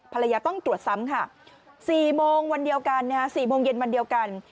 ภรรยาต้องตรวจซ้ำค่ะ๔โมงเย็นวันเดียวกัน